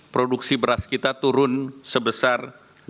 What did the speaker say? produksi beras kita turun sebesar lima delapan